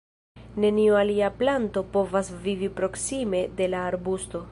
Neniu alia planto povas vivi proksime de la arbusto.